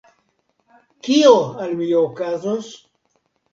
Kio al mi okazos?